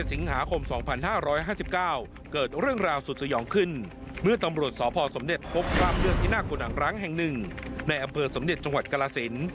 ๑๗สิงหาคม๒๕๕๙เกิดเรื่องราวสุดสยองขึ้นเมื่อตำรวจสพสมเน็ตพบกล้ามเลือดที่น่ากลัวหนังร้างแห่งหนึ่งในอำเภอสมเน็ตชกรสินทร์